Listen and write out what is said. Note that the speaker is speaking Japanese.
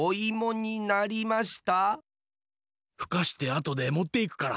ふかしてあとでもっていくから。